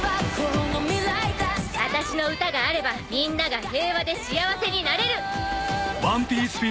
「私の歌があればみんなが平和で幸せになれる」